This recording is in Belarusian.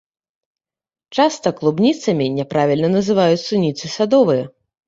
Часта клубніцамі няправільна называюць суніцы садовыя.